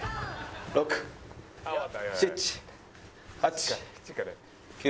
６７８９。